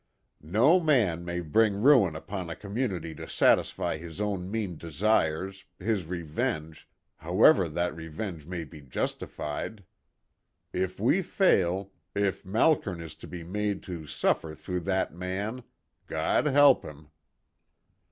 "No man may bring ruin upon a community to satisfy his own mean desires, his revenge, however that revenge may be justified. If we fail, if Malkern is to be made to suffer through that man God help him!"